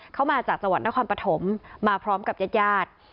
เขามาจากสวรรค์นครปฐมมาพร้อมกับญาติ